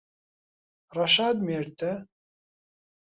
ڕەشاد مێردتە؟